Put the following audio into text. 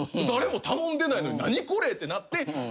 誰も頼んでないのに何これってなって。